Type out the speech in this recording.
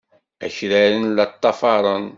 Akraren la ṭṭafaren.